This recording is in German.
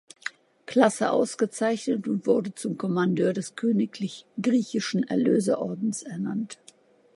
Klasse ausgezeichnet und wurde zum Commandeur des königlich-griechischen Erlöser-Ordens ernannt.